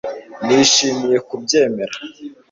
Nishimiye kubyemera